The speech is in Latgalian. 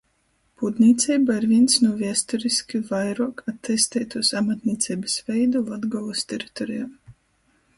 Pūdnīceiba ir vīns nu viesturiski vairuok atteisteitūs amatnīceibys veidu Latgolys teritorejā.